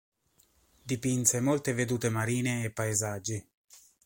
Dipinse molte vedute marine e paesaggi.